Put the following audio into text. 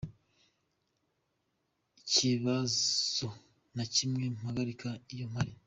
kibazo na kimwe mpagirira iyo mpari.